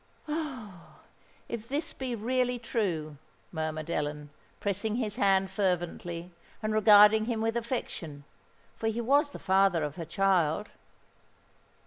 "Oh! if this be really true!" murmured Ellen, pressing his hand fervently, and regarding him with affection—for he was the father of her child!